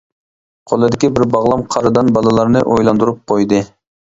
قولىدىكى بىر باغلام قارىدان بالىلارنى ئويلاندۇرۇپ قويدى.